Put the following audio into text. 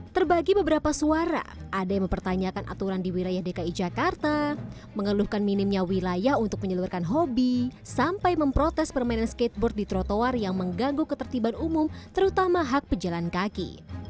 terbagi beberapa suara ada yang mempertanyakan aturan di wilayah dki jakarta mengeluhkan minimnya wilayah untuk menyeluruhkan hobi sampai memprotes permainan skateboard di trotoar yang mengganggu ketertiban umum terutama hak pejalan kaki